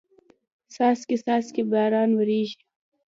څاڅکي څاڅکي باران وریږي